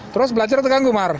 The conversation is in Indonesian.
terus belajar tegang gumar